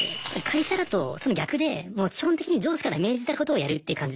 会社だとその逆で基本的に上司から命じたことをやるって感じじゃないすか。